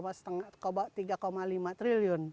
pad kami tiga lima triliun